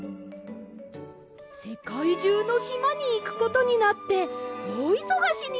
せかいじゅうのしまにいくことになっておおいそがしになるでしょう。